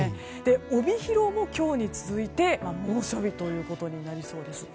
帯広も今日に続いて猛暑日となりそうです。